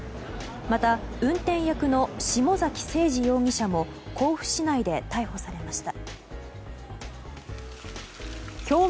また、運転役の下崎星児容疑者も甲府市内で逮捕されました。